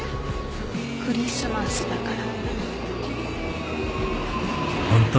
クリスマスだから。